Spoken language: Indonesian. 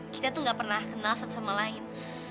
kita tuh gak pernah kenal satu sama lain